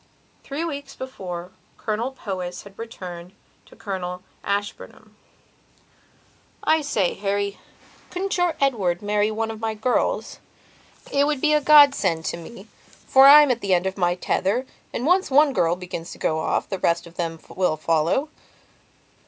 Three weeks before Colonel Powys had written to Colonel Ashburnham: "I say, Harry, couldn't your Edward marry one of my girls? It would be a god send to me, for I'm at the end of my tether and, once one girl begins to go off, the rest of them will follow."